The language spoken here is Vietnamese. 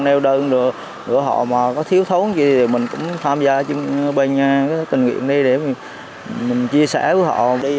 nêu đơn của họ mà có thiếu thấu gì thì mình cũng tham gia trên bên tình nguyện này để mình chia sẻ với họ